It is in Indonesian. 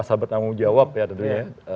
sahabat tanggung jawab ya tentunya ya